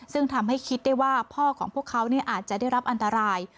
ซึ่งทำให้คิดได้ว่าพ่อของพวกเขาอาจจะได้รับอันตราย